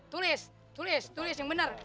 tulis tulis tulis yang benar